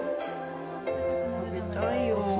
食べたいよ。